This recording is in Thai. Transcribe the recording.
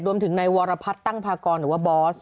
รวมถึงในวรพัฒน์ตั้งพากรหรือว่าบอส